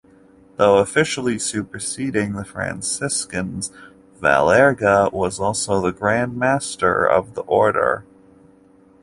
Though officially superseding the Franciscans, Valerga was also the Grand Master of the Order.